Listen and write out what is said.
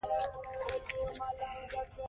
ملالۍ خاورو ته وسپارل سوه.